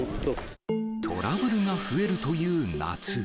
トラブルが増えるという夏。